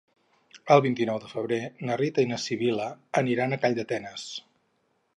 El vint-i-nou de febrer na Rita i na Sibil·la aniran a Calldetenes.